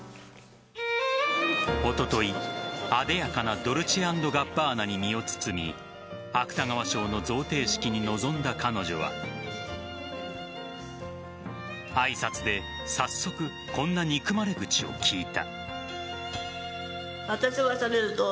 おととい、艶やかなドルチェ＆ガッバーナに身を包み芥川賞の贈呈式に臨んだ彼女は挨拶で早速こんな憎まれ口を利いた。